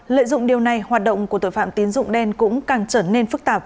lợi dụng điều này hoạt động của tội phạm tín dụng đen cũng càng trở nên phức tạp